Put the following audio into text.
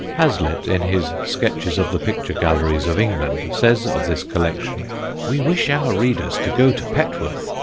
Hazlitt, in his Sketches of the Picture Galleries of England, says of this collection: "We wish our readers to go to Petworth